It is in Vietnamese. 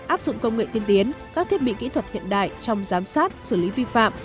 áp dụng công nghệ tiên tiến các thiết bị kỹ thuật hiện đại trong giám sát xử lý vi phạm